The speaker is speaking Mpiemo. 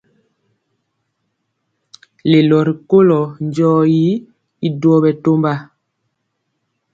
Lelo rikolo njɔɔtyi y duo bɛtɔmba.